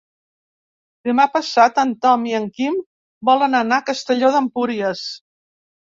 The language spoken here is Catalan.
Demà passat en Tom i en Quim volen anar a Castelló d'Empúries.